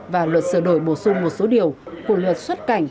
và luật sửa đổi bổ sung một số điều của luật xuất cảnh